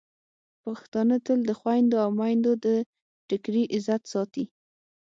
پښتانه تل د خویندو او میندو د ټکري عزت ساتي.